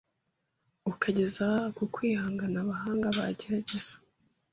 ukageza ku kwihangana abahanga bagerageza